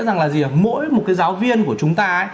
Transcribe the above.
rằng là gì mỗi một cái giáo viên của chúng ta